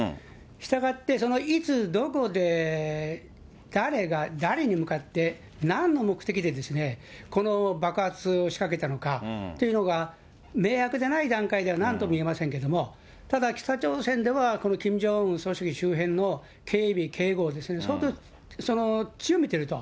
従ってそのいつどこで誰が、誰に向かって、なんの目的でですね、この爆発を仕掛けたのかというのが、明白でない段階ではなんとも言えませんけれども、ただ北朝鮮では、このキム・ジョンウン総書記周辺の警備・警護をすごく強めてると。